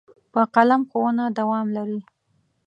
په قلم ښوونه دوام لري.